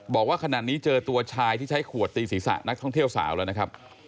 บอกว่าขณะนี้เจอตัวชายที่ใช้ขวดตีศีรษะนักท่องเที่ยวสาวแล้วนะครับ